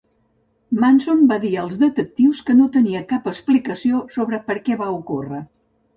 Manson va dir als detectius que no tenia cap explicació sobre per què va ocórrer.